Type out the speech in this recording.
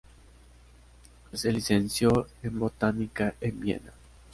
Se licenció en botánica en Viena.